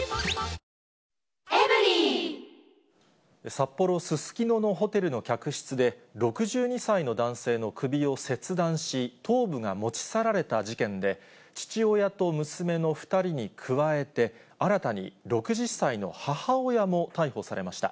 札幌・すすきののホテルの客室で、６２歳の男性の首を切断し、頭部が持ち去られた事件で、父親と娘の２人に加えて、新たに６０歳の母親も逮捕されました。